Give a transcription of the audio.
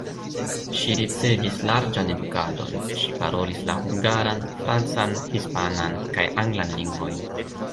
Ŝi ricevis larĝan edukadon, ŝi parolis la hungaran, francan, hispanan kaj anglan lingvojn.